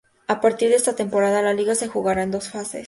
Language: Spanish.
A partir de esta temporada, la liga se jugará en dos fases.